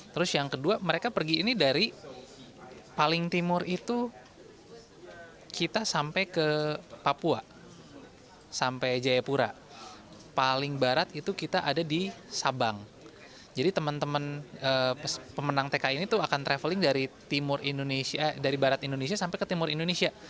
terus yang kedua mereka pergi ini dari paling timur itu kita sampai ke papua sampai jayapura